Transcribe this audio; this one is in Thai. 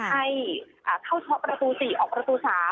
ให้เข้าเฉพาะประตู๔ออกประตู๓